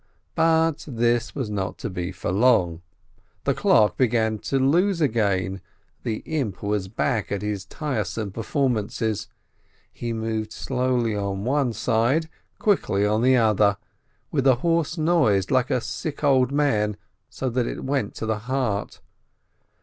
But this was not to be for long: the clock began to lose again, the imp was back at his tiresome perform ances: he moved slowly on one side, quickly on the other, with a hoarse noise, like a sick old man, so that it went to the heart.